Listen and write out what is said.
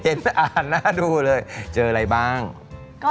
แล้วคุณพูดกับอันนี้ก็ไม่รู้นะผมว่ามันความเป็นส่วนตัวซึ่งกัน